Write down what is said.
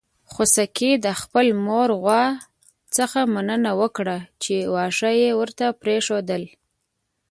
خوسکي د خپلې مور غوا څخه مننه وکړه چې واښه يې ورته پرېښودل.